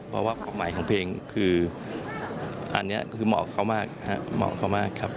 เพราะว่าความหมายของเพลงคืออันนี้คือเหมาะกับเค้ามากครับ